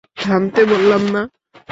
থামতে বললাম না!